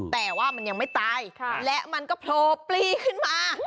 แต่ว่ามันยังไม่ตายและมันก็โผล่ปลีขึ้นมา